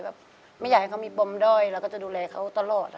แบบไม่อยากให้เขามีปมด้อยเราก็จะดูแลเขาตลอด